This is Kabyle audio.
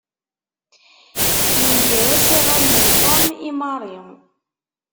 Yegra-s iɣallen Tom i Mary.